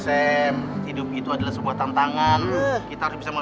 eh bangkuan men